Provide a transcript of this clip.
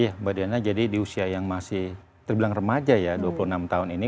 iya mbak diana jadi di usia yang masih terbilang remaja ya dua puluh enam tahun ini